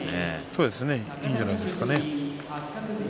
そうですねいいんじゃないですかね。